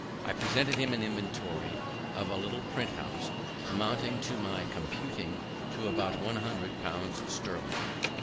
I presented him an inventory of a little print' house, amounting by my computation to about one hundred pounds sterling.